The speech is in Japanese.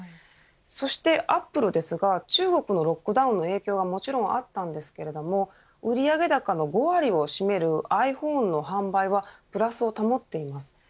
そしてアップルですが中国のロックダウンの影響はもちろんあったんですけれども売上高の５割を占めるｉＰｈｏｎｅの販売はプラスを保っています。